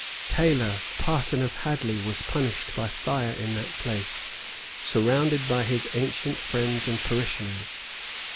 Taylor, parson of Hadley, was punished by fire in that place, surrounded by his ancient friends and parishioners.